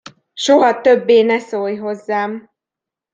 Soha többé ne szólj hozzám!